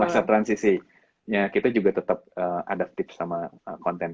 masa transisi ya kita juga tetep adaptif sama konten